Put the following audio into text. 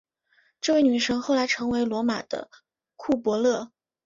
这位女神后来成为罗马的库柏勒。